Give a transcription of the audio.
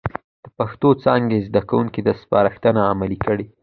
د پښتو څانګې زده کوونکي دا سپارښتنه عملي کړي،